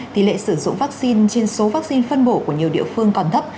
tỷ lệ sử dụng vaccine trên số vaccine phân bổ của nhiều địa phương còn thấp